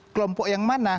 kelompok yang mana